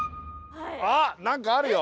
あっ何かあるよ。